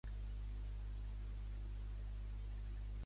En menys de dos anys, la xarxa de Midi ha acabat la seva reconversió.